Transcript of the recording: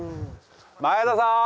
前田さん！